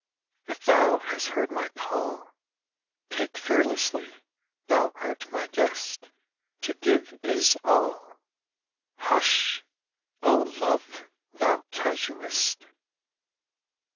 If thou hast heard my call, Take fearlessly, thou art my guest To give is all" Hush! O Love, thou casuist!